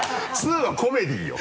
２はコメディーよ。